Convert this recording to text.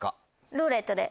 「ルーレット」で。